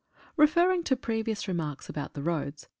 EFERRING to previous remarks about the roads.